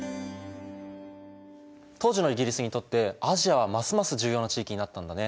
当時のイギリスにとってアジアはますます重要な地域になったんだね。